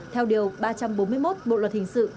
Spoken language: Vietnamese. theo điều ba trăm bốn mươi một bộ luật hình sự